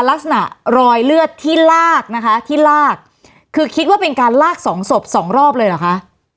ลักษณะรอยเลือดที่ลากนะคะที่ลากคือคิดว่าเป็นการลากสองศพสองรอบเลยเหรอคะ